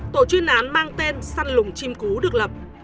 tổ chuyên án mang tên săn lùng chim cú được lập